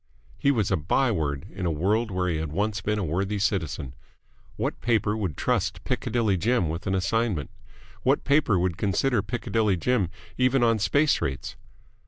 He was a by word in a world where he had once been a worthy citizen. What paper would trust Piccadilly Jim with an assignment? What paper would consider Piccadilly Jim even on space rates?